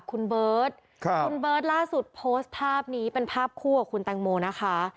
คุณเบิร์ตคุณเบิร์ตล่าสุดโพสต์ภาพนี้เป็นภาพคู่กับคุณแตงโมนะคะ